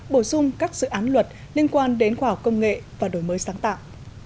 bổ sung các dự án luật liên quan đến khoa học công nghệ và đổi mới sáng tạo